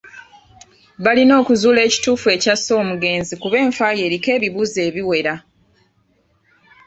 Balina okuzuula ekituufu ekyasse omugezi kuba enfa ye eriko ebibuuzo ebiwera.